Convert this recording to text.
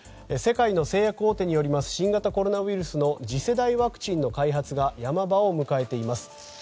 世界の製薬大手による新型コロナウイルスの次世代ワクチンの開発が山場を迎えています。